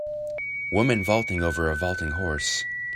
Woman vaulting over a vaulting horse.